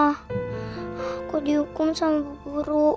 aku dihukum sama guru